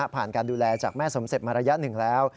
การดูแลจากแม่สมเสร็จมาระยะหนึ่งแล้ว